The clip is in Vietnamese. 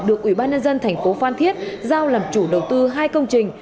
được ủy ban nhân dân thành phố phan thiết giao làm chủ đầu tư hai công trình